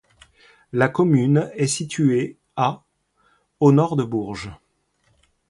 La commune est située à au nord de Bourges.